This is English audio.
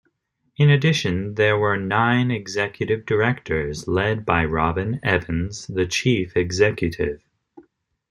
In addition, there were nine executive directors led by Robin Evans, the Chief Executive.